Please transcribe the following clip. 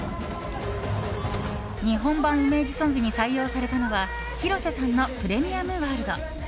日本版イメージソングに採用されたのは広瀬さんの「プレミアムワールド」。